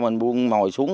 mình buông mồi xuống